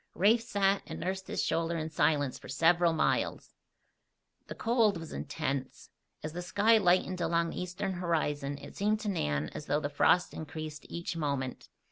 Rafe sat and nursed his shoulder in silence for several miles. The cold was intense. As the sky lightened along the eastern horizon it seemed to Nan as though the frost increased each moment.